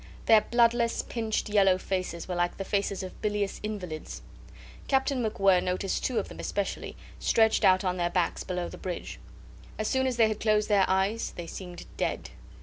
Their bloodless, pinched, yellow faces were like the faces of bilious invalids. Captain MacWhirr noticed two of them especially, stretched out on their backs below the bridge. As soon as they had closed their eyes they seemed dead.